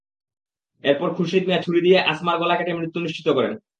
এরপর খুরশিদ মিয়া ছুরি দিয়ে আছমার গলা কেটে মৃত্যু নিশ্চিত করেন।